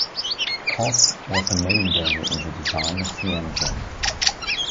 Cost was the main goal in the design of the engine.